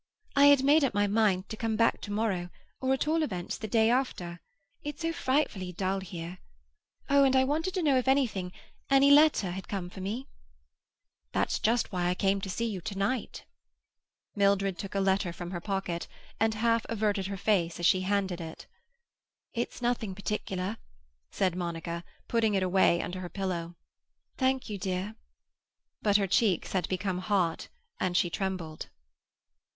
I had made up my mind to come back to morrow, or at all events the day after. It's so frightfully dull here. Oh, and I wanted to know if anything—any letter—had come for me." "That's just why I came to see you to night." Mildred took a letter from her pocket, and half averted her face as she handed it. "It's nothing particular," said Monica, putting it away under her pillow. "Thank you, dear." But her cheeks had become hot, and she trembled.